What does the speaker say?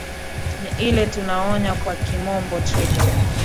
ni ile tunaonya kwa kimombo trigger